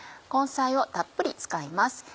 根菜をたっぷり使います。